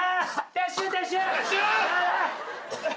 撤収！